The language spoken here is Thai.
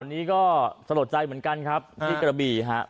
อันนี้ก็สลดใจเหมือนกันครับที่กระบี่ฮะ